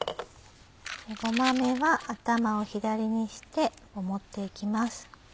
ごまめは頭を左にして盛って行きます。